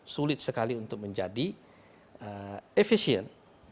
sulit sekali untuk menjadi efisien